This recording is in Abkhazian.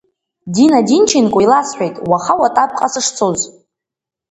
Дина Динченко иласҳәеит уаха Уатаԥҟа сышцоз.